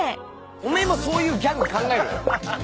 お前もそういうギャグ考えろよ。